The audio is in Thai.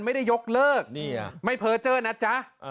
ไม่ได้ยกเลิกไม่เผลอเจอนะจ๊ะ